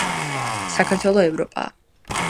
საქართველო ევროპაა